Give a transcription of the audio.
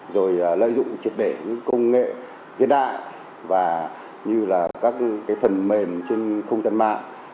rồi lợi dụng trực để công nghệ hiện đại và như là các phần mềm trên không gian mạng